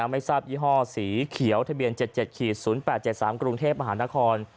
ไม่ทราบยี่ห้อสีเขียวทะเบียน๗๗๐๘๗๓กรุงเทพมหานคร